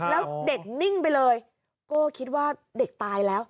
แล้วเด็กนิ่งไปเลยโก้คิดว่าเด็กตายแล้ว